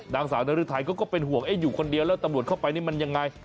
นางสาวนรึทัยก็เป็นห่วงอยู่คนเดียวแล้วตำรวจเข้าไปนี่มันยังไง